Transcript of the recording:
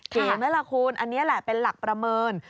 เห็นไหมล่ะคุณอันนี้แหละเป็นหลักประเมิน